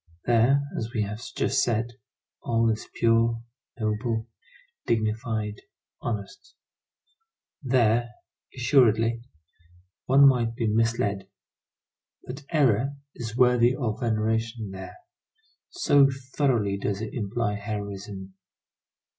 There, as we have just said, all is pure, noble, dignified, honest. There, assuredly, one might be misled; but error is worthy of veneration there, so thoroughly does it imply heroism.